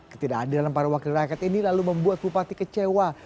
ketidakadilan para wakil rakyat ini lalu membuat bupati kecewa